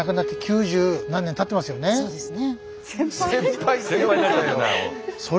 そうですね。